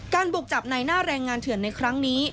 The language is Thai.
บุกจับในหน้าแรงงานเถื่อนในครั้งนี้